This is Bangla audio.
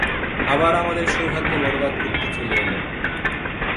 আবার আমাদের সৌভাগ্য বরবাদ করতে চলে এলো।